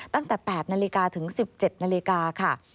ตั้งแต่๘นาฬิกาถึง๑๗นาฬิกาค่ะ